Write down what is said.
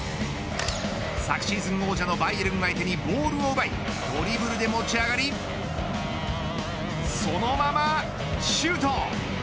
昨シーズン王者のバイエルン相手にボールを奪いドリブルで持ち上がりそのままシュート。